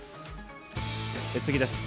次です。